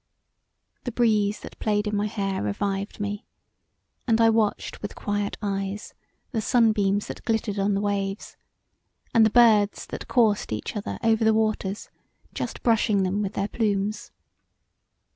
The breeze that played in my hair revived me, and I watched with quiet eyes the sunbeams that glittered on the waves, and the birds that coursed each other over the waters just brushing them with their plumes.